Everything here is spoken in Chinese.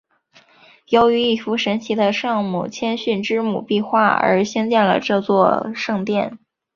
由于一幅神奇的圣母谦逊之母壁画而兴建了这座圣殿。